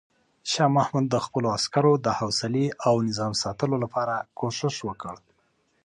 شاه محمود د خپلو عسکرو د حوصلې او نظم ساتلو لپاره کوښښ وکړ.